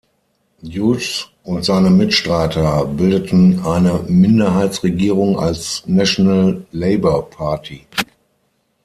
Hughes und seine Mitstreiter bildeten eine Minderheitsregierung als National Labor Party.